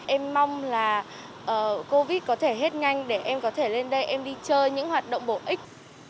em mong là covid có thể hết nhanh để em có thể lên đây em đi chơi những hoạt động bổ ích